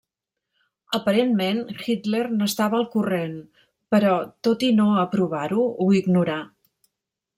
Aparentment, Hitler n'estava al corrent, però, tot i no aprovar-ho, ho ignorà.